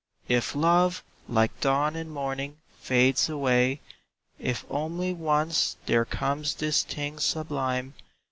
If Love, like dawn and morning, fades away. If only once there comes this thing sublime.